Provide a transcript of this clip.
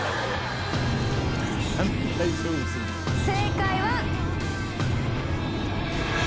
正解は。